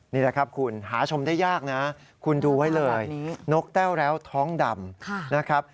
นี่แหละครับคุณหาชมได้ยากนะคุณดูไว้เลยนกแต้วแล้วท้องดำนะครับ